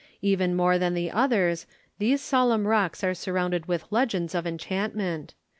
Even more than the others, these solemn rocks are surrounded with legends of enchantment.